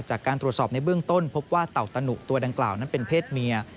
จากการตรวจสอบในเบื้องต้นพบว่าเต่าตะหุตัวดังกล่าวนั้นเป็นเพศเมีย